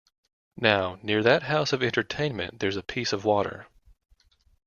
Now, near that house of entertainment there's a piece of water.